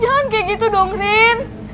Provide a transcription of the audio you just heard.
jangan kayak gitu dong green